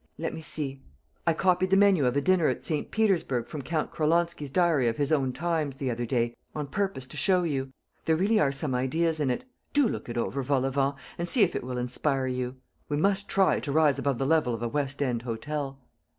Let me see; I copied the menu of a dinner at St. Petersburg from 'Count Cralonzki's Diary of his Own Times,' the other day, on purpose to show you. There really are some ideas in it. Do look it over, Volavent, and see if it will inspire you. We must try to rise above the level of a West end hotel."